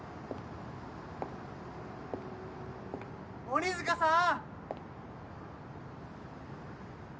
鬼塚さん！